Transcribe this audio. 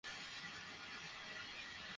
দাঁড়াও, আমি আসছি!